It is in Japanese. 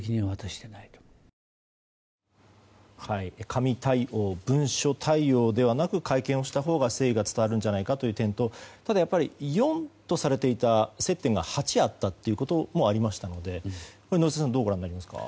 紙対応、文書対応ではなく会見をしたほうが誠意が伝わるのではという点とただ、４とされていた接点が８あったこともありますので宜嗣さんどうご覧になりますか。